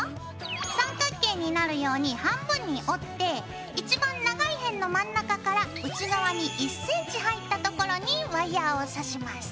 三角形になるように半分に折って一番長い辺の真ん中から内側に１ｃｍ入ったところにワイヤーを刺します。